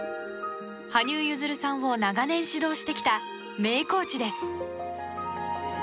羽生結弦さんを長年指導してきた名コーチです。